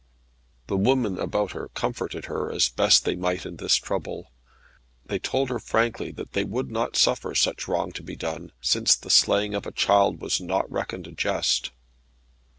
The women about her comforted her as best they might in this trouble. They told her frankly that they would not suffer such wrong to be done, since the slaying of a child was not reckoned a jest.